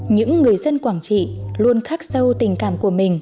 những người dân quảng trị luôn khắc sâu tình cảm của mình